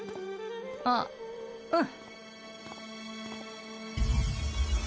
あっうん。